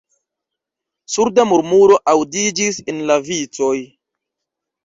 Surda murmuro aŭdiĝis en la vicoj.